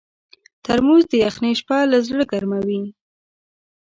ترموز د یخنۍ شپه له زړه ګرمووي.